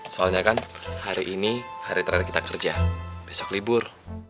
soalnya kan hari ini hari terakhir kita kerja besok libur